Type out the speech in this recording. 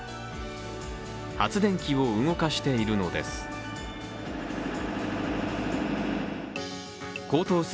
発電機を動かしているのです。